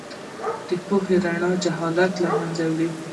د پوهې رڼا جهالت له منځه وړي.